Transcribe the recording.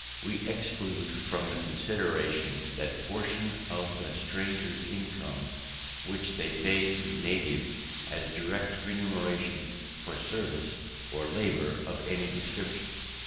We exclude from the consideration that portion of the strangers' incomes which they pay to natives as direct remuneration for service, or labour of any description.